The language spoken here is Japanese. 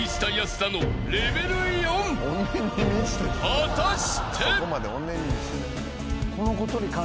［果たして］